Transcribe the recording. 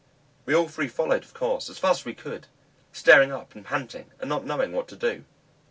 We all three followed of course, as fast as we could, staring up, and panting, and not knowing what to do.